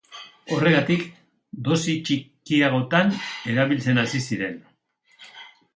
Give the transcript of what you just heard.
Horregatik, dosi txikiagotan erabiltzen hasi ziren.